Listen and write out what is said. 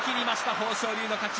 豊昇龍の勝ち。